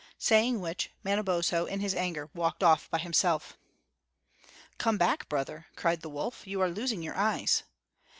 Saying which, Manabozho, in his anger, walked off by himself. "Come back, brother," cried the wolf. "You are losing your eyes."